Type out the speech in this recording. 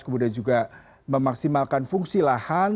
kemudian juga memaksimalkan fungsi lahan